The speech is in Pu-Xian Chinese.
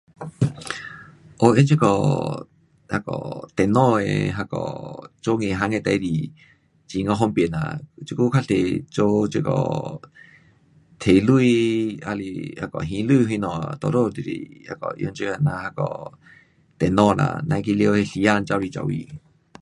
哦，用这个，那个电脑的那个做银行的事情，很呀方便呐，这久多数做这个，提钱还是那个还钱什么，多数都是那个用这这样那个电脑啦，甭去花那时间跑来跑去。